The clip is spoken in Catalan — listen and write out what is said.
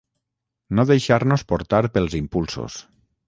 no deixar-nos portar pels impulsos